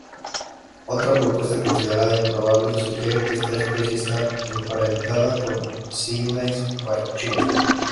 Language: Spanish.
Otra propuesta, considerada improbable, sugiere que esta especie está emparentada con "Synallaxis brachyura".